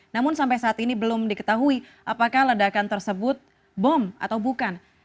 namun sampai saat ini belum diketahui apakah ledakan tersebut bom atau bukan